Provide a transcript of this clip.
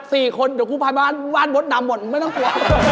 เดี๋ยวกูพามาวานบดดำหมดไม่ต้องกลัว